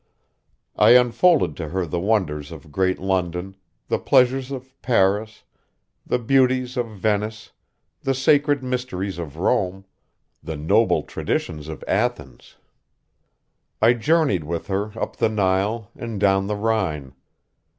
I unfolded to her the wonders of great London, the pleasures of Paris, the beauties of Venice, the sacred mysteries of Rome, the noble traditions of Athens. I journeyed with her up the Nile and down the Rhine.